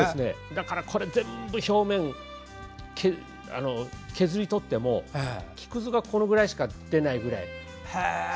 だからこれ全部表面を削り取っても木くずがこのぐらいしか出ないくらい